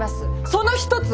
その一つが。